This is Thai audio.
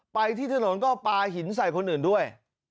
ไปที่ถนนก็ปลาหินใส่คนอื่นด้วย